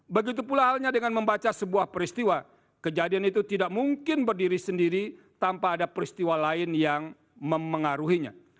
begitu pula halnya dengan membaca sebuah peristiwa kejadian itu tidak mungkin berdiri sendiri tanpa ada peristiwa lain yang memengaruhinya